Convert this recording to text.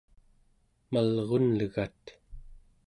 malrunlegat